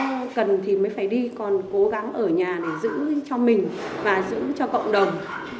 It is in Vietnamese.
nếu mà có cần thiết thì mới phải đi còn cố gắng ở nhà để giữ cho mình và giữ cho cộng đồng